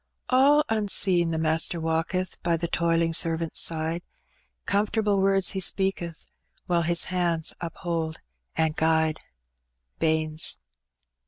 All ni^seen the MastjBr walketh By. the toiling servant's side ; Comfortable words He speaketh, Whije His hands . uphold and. guide. Baynes.